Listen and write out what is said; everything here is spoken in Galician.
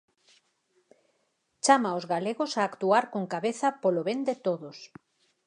Chama os galegos a actuar con cabeza polo ben de todos.